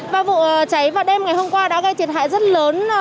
ba vụ cháy vào đêm ngày hôm qua đã gây thiệt hại rất lớn